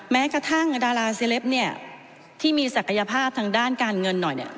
แม้กระทั่งดาราเซลปเนี่ยที่มีศักยภาพทางด้านการเงินหน่อยเนี่ย